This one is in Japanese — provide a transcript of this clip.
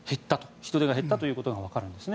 人出が減ったということがわかるんですね。